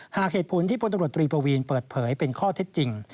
หากเหตุผลที่พลตำรวจตรีปวีนเปิดเผยเป็นข้อเท็จจริง